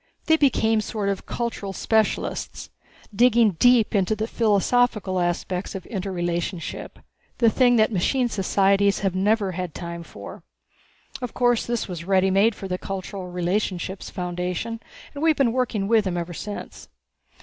They became sort of cultural specialists, digging deep into the philosophical aspects of interrelationship the thing that machine societies never have had time for. Of course this was ready made for the Cultural Relationships Foundation, and we have been working with them ever since.